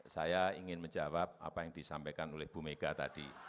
saya ingin menjawab apa yang disampaikan oleh bu mega tadi